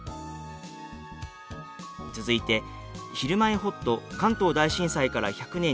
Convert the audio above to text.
続いて「ひるまえほっと関東大震災から１００年」について。